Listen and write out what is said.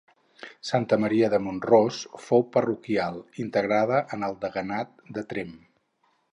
Santa Maria de Mont-ros fou parroquial, integrada en el Deganat de Tremp.